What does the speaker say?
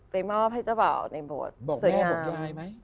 ไปมอบให้เจ้าบ่าวในโบสถ์สวยงามบอกแม่บอกยายมั้ย